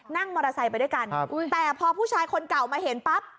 นั่งมอเตอร์ไซค์ไปด้วยกันแต่พอผู้ชายคนเก่ามาเห็นปั๊บ